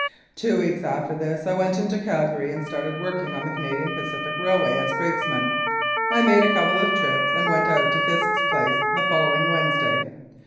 "Two weeks after this I went into Calgary and started working on the Canadian Pacific Railway as brakesman. I made a couple of trips and went out to Fisk's place the following Wednesday.